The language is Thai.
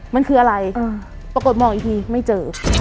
มันคืออะไรปรากฏมองอีกทีไม่เจอ